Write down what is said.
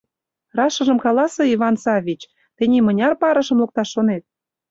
Рашыжым каласе, Иван Саввич, тений мыняр парышым лукташ шонет?